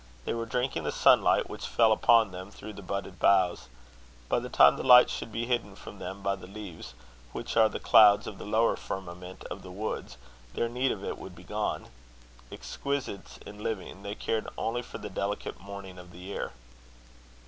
They were drinking the sunlight, which fell upon them through the budded boughs. By the time the light should be hidden from them by the leaves, which are the clouds of the lower firmament of the woods, their need of it would be gone: exquisites in living, they cared only for the delicate morning of the year.